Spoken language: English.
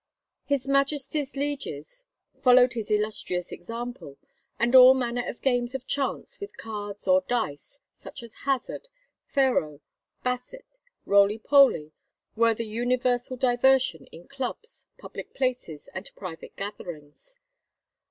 His Majesty's lieges followed his illustrious example, and all manner of games of chance with cards or dice, such as hazard, Pharaoh, basset, roly poly, were the universal diversion in clubs, public places, and private gatherings.